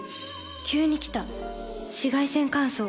急に来た紫外線乾燥。